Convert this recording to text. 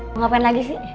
mau ngapain lagi sih